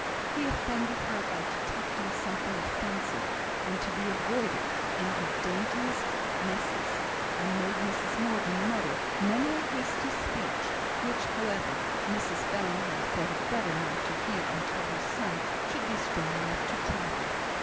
He offended her by detecting something offensive and to be avoided in her daintiest messes, and made Mrs Morgan mutter many a hasty speech, which, however, Mrs Bellingham thought it better not to hear until her son should be strong enough to travel.